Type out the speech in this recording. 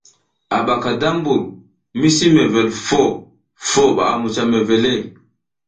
A ɓaka da mbur mi si ar mewel foh foh ɓa a mucah mewele.